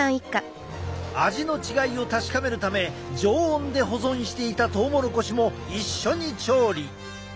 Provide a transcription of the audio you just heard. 味の違いを確かめるため常温で保存していたトウモロコシも一緒に調理。